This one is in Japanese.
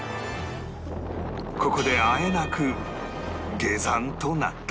ここであえなく下山となった